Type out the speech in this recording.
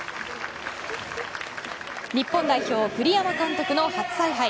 日本代表、栗山監督の初采配。